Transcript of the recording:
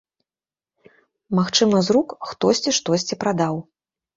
Магчыма, з рук хтосьці штосьці прадаў.